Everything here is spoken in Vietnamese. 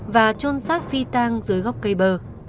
và trôn xác phi tang dưới gốc cây bơ